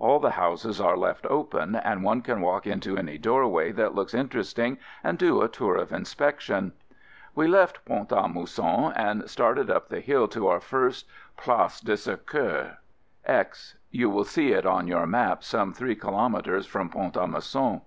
All the houses are left open, and one can walk into any doorway that looks interesting and do a tour of inspection. We left Pont a Mousson and started up the hill to our first " place de secour" — X ——— you will see it on your map some three kilometres from Pont a Mous son.